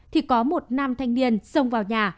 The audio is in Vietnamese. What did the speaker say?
thì có một nam thanh niên xông vào nhà